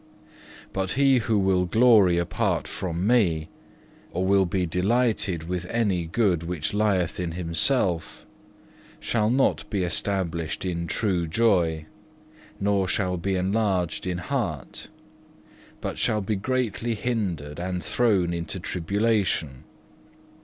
But he who will glory apart from Me, or will be delighted with any good which lieth in himself, shall not be established in true joy, nor shall be enlarged in heart, but shall be greatly hindered and thrown into tribulation.